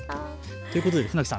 ということで船木さん